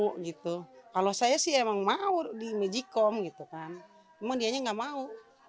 kalau saya sih memang mau di mejikom tapi dia tidak mau